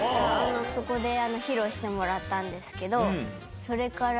そこで披露してもらったんですけど。